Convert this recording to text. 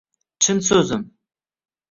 Chin so'zim.